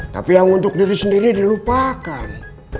tapi yang untuk diri sendiri dilupakan